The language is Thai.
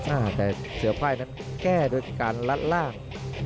อ่าแต่เสือไพ่นั้นแก้โดยการลัดล่าง